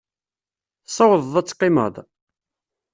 Tessawḍeḍ ad teqqimeḍ?